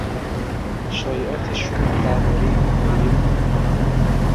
شایعات شوم دربارهی بیماری او